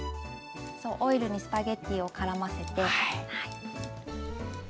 そうオイルにスパゲッティをからませて。